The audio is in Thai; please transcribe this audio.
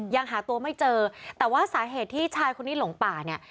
ยังหาตัวไม่เจอแต่ว่าสาเหตุที่ชายคนนี้หลงป่าเนี่ย